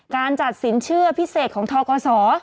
การจัดสินเชื่อพิเศษของทกศ